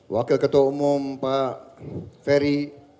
wakil ketua umum pak ferry